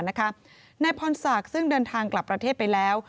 นายพรศักดิ์ซึ่งเดินทางกลับประเทศไปแล้ว